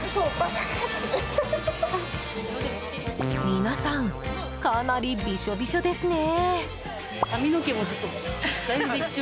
皆さんかなりびしょびしょですね。